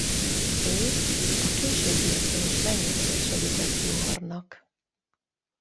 Ő a későbbiekben is rengeteget segített Fluornak.